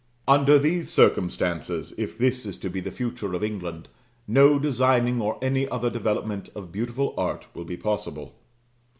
Under these circumstances, (if this is to be the future of England,) no designing or any other development of beautiful art will be possible.